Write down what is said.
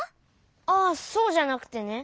あっそうじゃなくてね。